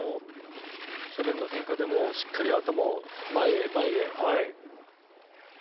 斜面の変化でもしっかりと頭を前へ前へ。